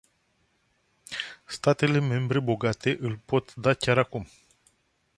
Statele membre bogate îl pot da chiar acum.